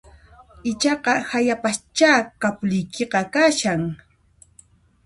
Ichaqa hayapaschá kapuliykiqa kashan